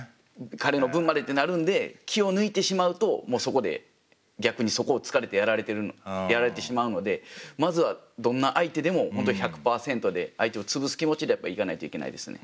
彼の分までってなるので気を抜いてしまうともうそこで逆にそこをつかれてやられてしまうのでまずはどんな相手でも本当１００％で相手を潰す気持ちでやっぱいかないといけないですね。